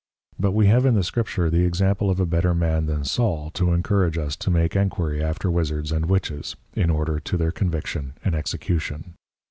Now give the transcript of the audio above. _ But we have in the Scripture the Example of a better Man than Saul to encourage us to make enquiry after Wizzards and Witches in order to their Conviction and Execution.